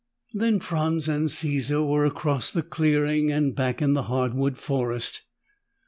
Then Franz and Caesar were across the clearing and back in the hardwood forest.